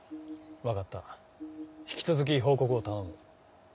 分かった引き続き報告を頼む。